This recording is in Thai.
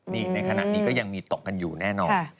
นี่ในขณะนี้ก็ยังมีตกกันอยู่แน่นอน